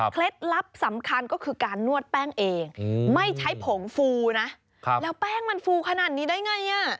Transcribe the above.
ลับสำคัญก็คือการนวดแป้งเองไม่ใช้ผงฟูนะแล้วแป้งมันฟูขนาดนี้ได้ไงอ่ะ